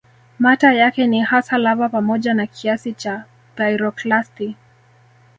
Mata yake ni hasa lava pamoja na kiasi cha piroklasti